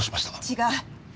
違う！